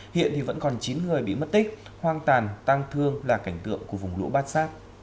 hiện thì vẫn còn chín người bị mất tích hoang tàn tăng thương là cảnh tượng của vùng lũ bát sát